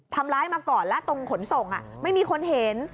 ทำร้ายมาก่อนแล้วตรงขนส่งไม่มีคนเห็น